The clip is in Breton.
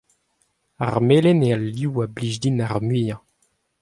ar melen eo al liv a blij din ar muiañ.